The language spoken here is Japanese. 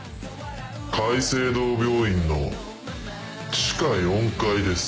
界星堂病院の地下４階です。